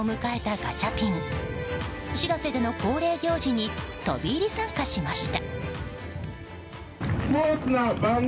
ガチャピン「しらせ」での恒例行事に飛び入り参加しました。